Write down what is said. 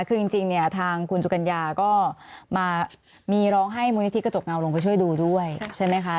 คือจริงเนี่ยทางคุณสุกัญญาก็มามีร้องให้มูลนิธิกระจกเงาลงไปช่วยดูด้วยใช่ไหมคะ